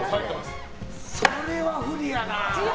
それは不利やな。